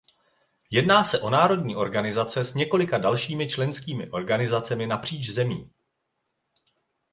Jedná se o národní organizace s několika dalšími členskými organizacemi napříč zemí.